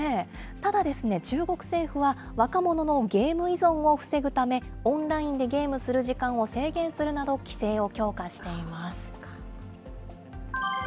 ただですね、中国政府は、若者のゲーム依存を防ぐため、オンラインでゲームする時間を制限するなど、規制を強化しています。